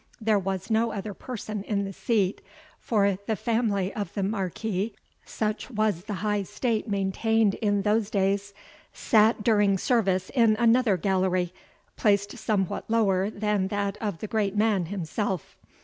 There was no other person in the seat; for the family of the Marquis, such was the high state maintained in those days, sate during service in another gallery, placed somewhat lower than that of the great man himself.